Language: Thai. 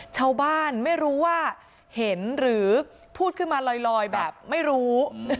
ชาวบ้านไม่รู้ว่าเห็นหรือพูดขึ้นมาลอยแบบไม่รู้